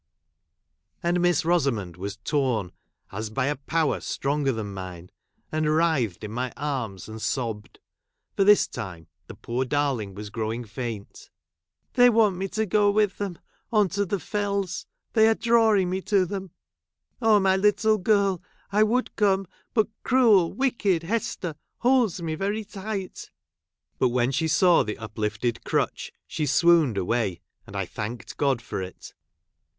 [Conducted by And Miss Eosamond was torn as by a power stronger than mine, and writhed in my arms, and sobbed (for by this time the poor I darling was growing faint), j " They want me to go with them on to the Fells — they are drawing me to them. Oh, my little girl ! I would come, but cruel, wicked Hester holds me very tight." But when she saw the uplifted crutch she swooned away, and I thanked God for it.